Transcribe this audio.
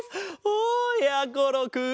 おやころくん。